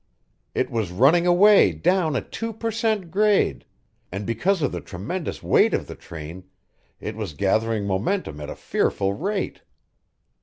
It was running away down a two per cent. grade, and because of the tremendous weight of the train, it was gathering momentum at a fearful rate.